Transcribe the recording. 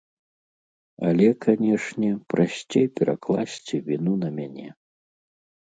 Але, канешне, прасцей перакласці віну на мяне.